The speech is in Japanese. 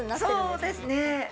そうですね。